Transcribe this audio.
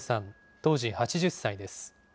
当時８０歳です。